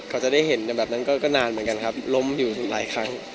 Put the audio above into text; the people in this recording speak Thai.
เขาจะได้เห็นกันแบบนั้นก็นานเหมือนกันครับล้มอยู่หลายครั้ง